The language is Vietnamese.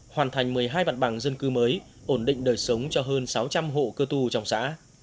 hoàn thành một mươi hai mặt bằng dân cư mới ổn định đời sống cho hơn sáu trăm linh hộ cơ tu trong xã